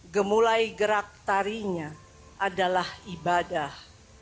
gemulai gerak tarinya adalah ibadah